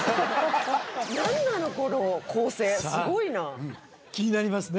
何なのこの構成すごいな気になりますね